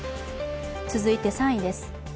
続いて３位です。